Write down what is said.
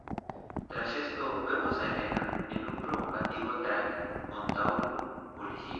Tras esto, vemos a Helena en un provocativo traje junto a un policía.